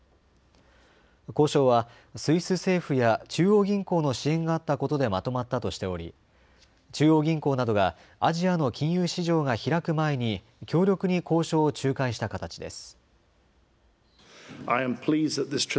交渉はスイス政府や中央銀行の支援があったことでまとまったとしており、中央銀行などがアジアの金融市場が開く前に強力に交渉を仲介した形です。